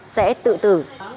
sẽ tự tử